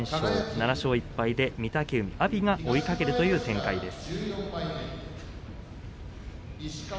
７勝１敗で御嶽海、阿炎が追いかけるという展開です。